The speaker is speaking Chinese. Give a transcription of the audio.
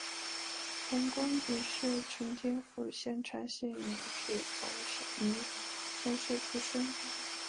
洪光迪是承天府香茶县永治总明乡社出生。